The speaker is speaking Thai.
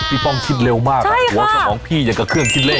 ป้องคิดเร็วมากหัวสมองพี่อย่างกับเครื่องคิดเล่น